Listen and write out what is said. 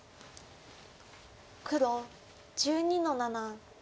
黒１２の七。